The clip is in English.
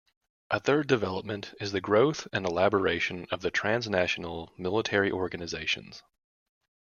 A third development is the growth and elaboration of transnational military organizations.